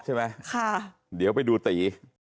อย่าให้โดนมือผม